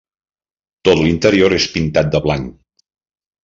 Tot l'interior és pintat de blanc.